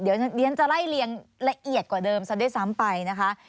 เดี๋ยวเรียนจะไล่เรียงละเอียดกว่าเดิมซะด้วยซ้ำไปนะคะ